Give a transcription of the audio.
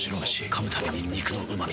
噛むたびに肉のうま味。